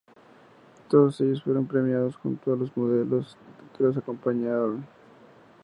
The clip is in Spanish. Todos ellos fueron premiados junto a las modelos que los acompañaron.